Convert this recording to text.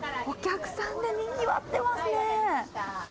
お客さんでにぎわってますね。